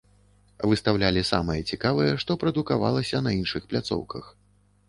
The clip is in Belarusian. Выстаўлялі самае цікавае, што прадукавалася на іншых пляцоўках.